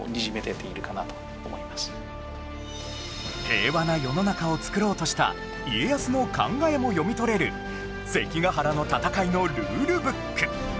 平和な世の中を作ろうとした家康の考えも読み取れる関ヶ原の戦いのルールブック